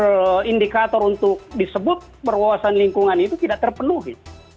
kemudian indikator untuk disebut berwawasan lingkungan itu tidak terpenuhi